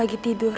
aku pengen tidur